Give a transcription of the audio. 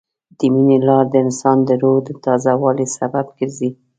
د مینې لار د انسان د روح د تازه والي سبب ګرځي.